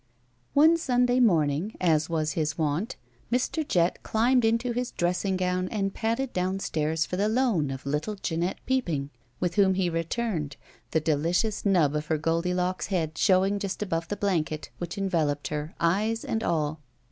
One Sunday morning, 'as was his wont, Mr. Jett climbed into his dressing gown and padded down stairs for the loan of Uttle Jeanette Peopping, with whom he returned, the deUcious nub of her goldi locks head showing just above the blanket which enveloped her, eyes and all.